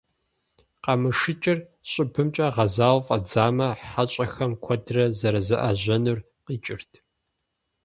Къамышыкӏыр щӏыбымкӏэ гъэзауэ фӀэдзамэ, хьэщӀэхэм куэдрэ зэрызамыӏэжьэнур къикӏырт.